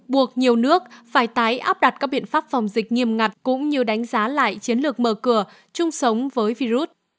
buộc nhiều nước phải tái áp đặt các biện pháp phòng dịch nghiêm ngặt cũng như đánh giá lại chiến lược mở cửa chung sống với virus